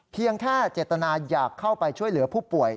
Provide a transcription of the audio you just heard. เพียงแค่เจตนาอยากเข้าไปช่วยเหลือผู้ป่วย